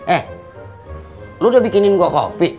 eh lo udah bikinin gue kopi